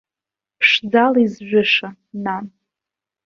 Ԥшӡала изжәыша, нан.